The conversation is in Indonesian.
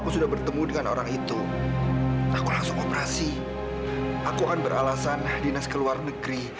sampai jumpa di video selanjutnya